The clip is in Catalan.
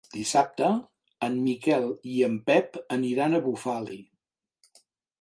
Dissabte en Miquel i en Pep aniran a Bufali.